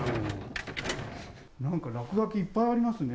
なんか落書きいっぱいありますね。